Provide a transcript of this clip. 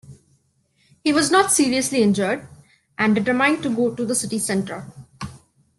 He was not seriously injured, and determined to go to the city centre.